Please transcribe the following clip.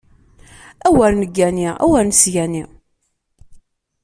Awer neggani, awer nesgani!